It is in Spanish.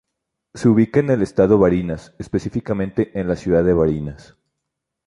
Se ubica en el Estado Barinas, específicamente en la Ciudad de Barinas.